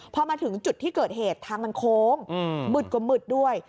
พอมาถึงจุดที่เกิดเหตุทางมันโค้งมืดก็มืดด้วย